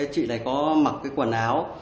chị này có mặc quần áo